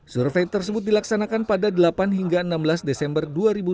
survei tersebut dilaksanakan pada delapan hingga enam belas desember dua ribu dua puluh